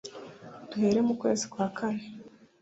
duhere mu kwezi kwa kane